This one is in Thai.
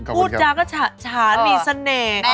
พูดจังและชาญมีเสน่ห์